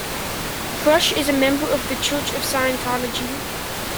Fresh is a member of the Church of Scientology.